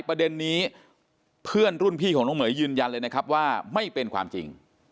ประเด็นนี้เพื่อนรุ่นพี่ของน้องเหยยืนยันเลยนะครับว่าไม่เป็นความจริง